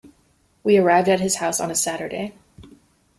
We arrived at his house on a Saturday.